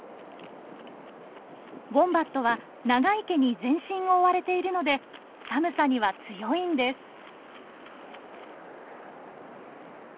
ウォンバットは長い毛に全身覆われているので寒さには強いんです。